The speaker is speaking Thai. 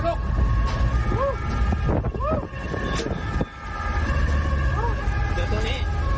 ไปไปไป